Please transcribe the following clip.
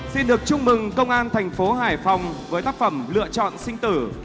xin được chúc mừng công an thành phố học viện cảnh sát nhân dân với tác phẩm lựa chọn sinh tử